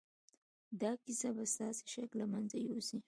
دا کیسه به ستاسې شک له منځه یوسي